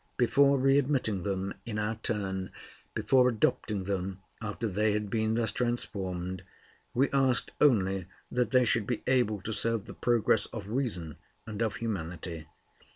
Before re admitting them in our turn, before adopting them after they had been thus transformed, we asked only that they should be able to serve the progress of reason and of humanity.